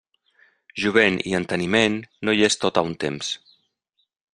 Jovent i enteniment, no hi és tot a un temps.